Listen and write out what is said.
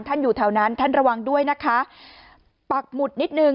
อยู่แถวนั้นท่านระวังด้วยนะคะปักหมุดนิดนึง